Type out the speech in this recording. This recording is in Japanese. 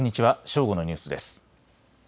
正午のニュースです。